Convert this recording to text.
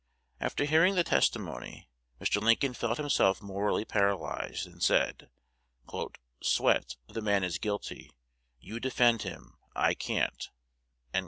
After hearing the testimony, Mr. Lincoln felt himself morally paralyzed, and said, "Swett, the man is guilty: you defend him; I can't."